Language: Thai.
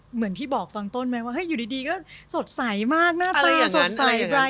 เหมือนที่บอกตอนต้นไหมว่าเฮ้ยอยู่ดีก็สดใสมากหน้าตาสดใสไป